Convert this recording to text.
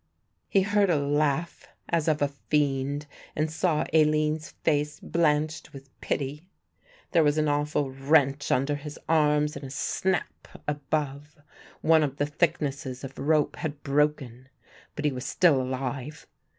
He heard a laugh as of a fiend and saw Aline's face blanched with pity; there was an awful wrench under his arms and a snap above; one of the thicknesses of rope had broken; but he was still alive.